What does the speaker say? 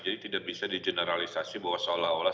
jadi tidak bisa di generalisasi bahwa seolah olah